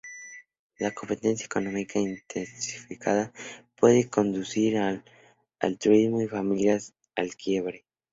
La competencia económica intensificada puede conducir al altruismo y las familias al quiebre.